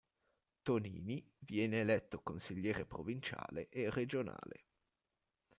Tonini viene eletto consigliere provinciale e regionale.